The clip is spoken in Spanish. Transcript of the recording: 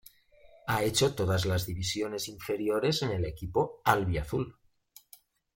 Ha hecho todas las divisiones inferiores en el equipo albiazul.